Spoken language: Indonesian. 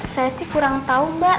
saya sih kurang tahu mbak